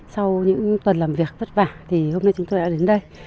sau những tuần làm việc vất vả thì hôm nay chúng tôi đã đến đây